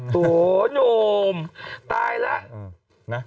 โหโน่มตายแล้ว